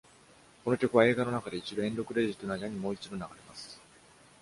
この曲は映画の中で一度、エンドクレジットの間にもう一度流れます。